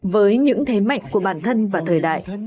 với những thế mạnh của bản thân và thời đại